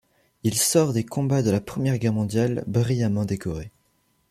Il sort des combats de la Première Guerre mondiale brillamment décoré.